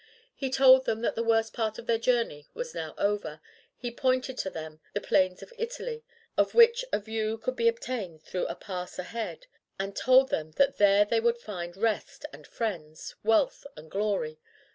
He told them that the worst part of their journey was now over. He pointed to them the plains of Italy, of which a view could be obtained through the pass ahead, and told them that there they would find rest and friends, wealth and glory.